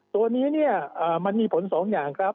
ตัวนี้เนี่ยมันมีผลสองอย่างครับ